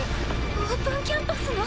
オープンキャンパスの。